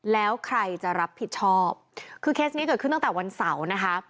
แล้วใครจะรับผิดชอบคือเคสนี้เกิดขึ้นตั้งแต่วันเสาร์นะคะ